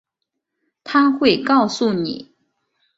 她会告诉你